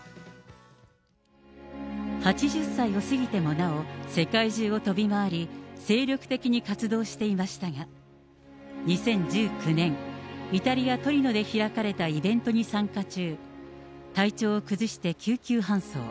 ８０歳を過ぎてもなお、世界中を飛び回り、精力的に活動していましたが、２０１９年、イタリア・トリノで開かれたイベントに参加中、体調を崩して救急搬送。